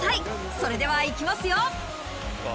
それでは行きますよ。